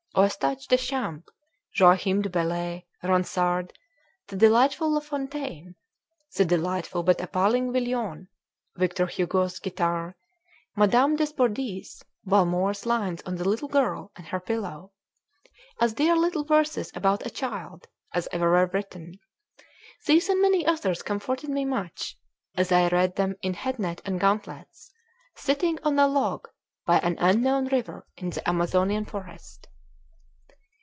Eustache Deschamp, Joachim du Bellay, Ronsard, the delightful La Fontaine, the delightful but appalling Villon, Victor Hugo's "Guitare," Madame Desbordes Valmore's lines on the little girl and her pillow, as dear little verses about a child as ever were written these and many others comforted me much, as I read them in head net and gauntlets, sitting on a log by an unknown river in the Amazonian forest.